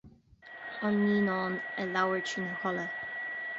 An naíonán a labhair trína chodladh